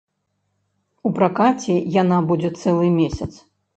У пракаце яна будзе цэлы месяц.